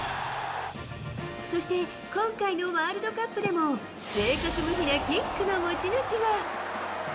そして、今回のワールドカップでも、正確無比なキックの持ち主が。